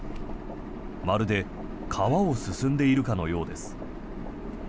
まるで川を進んでいるかのようです。